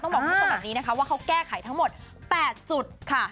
บอกคุณผู้ชมแบบนี้นะคะว่าเขาแก้ไขทั้งหมด๘จุดค่ะ